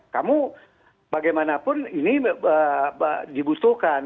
kamu bagaimanapun ini dibutuhkan